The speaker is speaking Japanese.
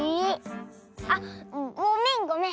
あっごめんごめん。